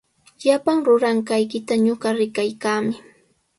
Llapan ruranqaykita ñuqa rikaykaami.